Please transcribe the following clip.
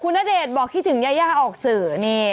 คุณณเดชน์บอกคิดถึงแย่ออกสื่อเนี่ย